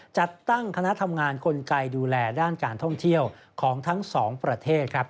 จัดตั้งคณะทำงานกลไกดูแลด้านการท่องเที่ยวของทั้งสองประเทศครับ